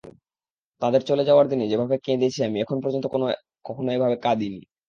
তাঁদের চলে যাওয়ার দিন যেভাবে কেঁদেছি আমি, এখন পর্যন্ত কখনো এভাবে কাঁদিনি।